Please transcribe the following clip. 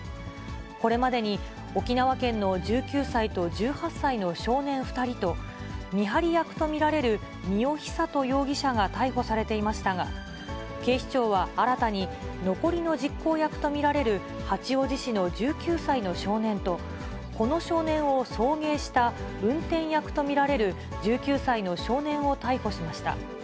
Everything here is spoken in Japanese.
これまでに沖縄県の１９歳と１８歳の少年２人と、見張り役と見られる三尾寿人容疑者が逮捕されていましたが、警視庁は新たに、残りの実行役と見られる八王子市の１９歳の少年と、この少年を送迎した運転役と見られる１９歳の少年を逮捕しました。